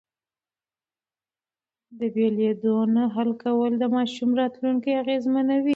د بېلېدو نه حل کول د ماشوم راتلونکی اغېزمنوي.